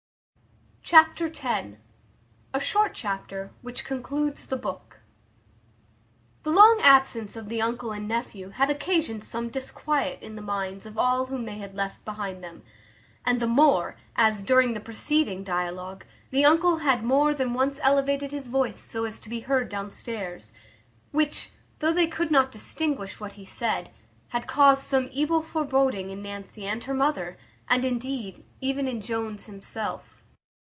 Chapter x. A short chapter, which concludes the book. The long absence of the uncle and nephew had occasioned some disquiet in the minds of all whom they had left behind them; and the more, as, during the preceding dialogue, the uncle had more than once elevated his voice, so as to be heard downstairs; which, though they could not distinguish what he said, had caused some evil foreboding in Nancy and her mother, and, indeed, even in Jones himself.